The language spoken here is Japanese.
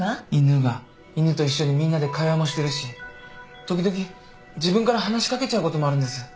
犬と一緒にみんなで会話もしてるし時々自分から話し掛けちゃうこともあるんです。